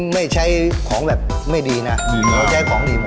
ไม่ใช้ของแบบไม่ดีนะเราใช้ของดีหมด